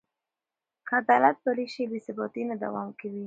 که عدالت پلی شي، بې ثباتي نه دوام کوي.